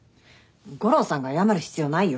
悟郎さんが謝る必要ないよ。